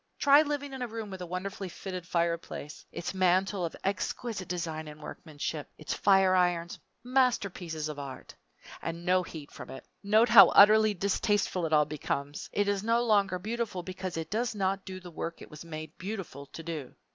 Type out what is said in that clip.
Try living in a room with a wonderfully fitted fireplace; its mantel of exquisite design and workmanship, its fire irons masterpieces of art and no heat from it! Note how utterly distasteful it all becomes. It is no longer beautiful because it does not do the work it was made beautiful to do.